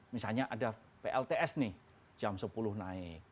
misalnya ada plts nih jam sepuluh naik